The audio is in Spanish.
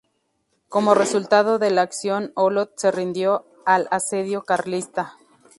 Como resultado de la acción, Olot se rindió al asedio carlista.